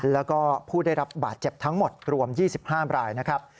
แล้วก็ผู้ได้รับบาดเจ็บทั้งหมดรวม๒๕รายนะครับ